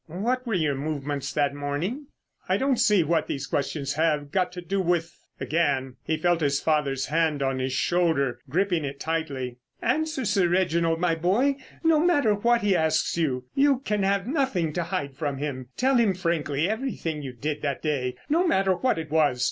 "What were your movements that morning?" "I don't see what these questions have got to do with——" Again he felt his father's hand on his shoulder gripping it tightly. "Answer Sir Reginald, my boy, no matter what he asks you. You can have nothing to hide from him. Tell him frankly everything you did that day, no matter what it was....